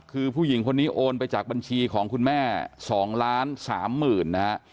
คือผู้หญิงคนนี้โอนไปจากบัญชีของคุณแม่๒ล้าน๓๐๐๐นะฮะ